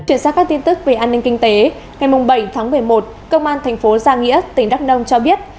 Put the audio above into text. chuyển sang các tin tức về an ninh kinh tế ngày bảy tháng một mươi một công an thành phố giang nghĩa tỉnh đắk nông cho biết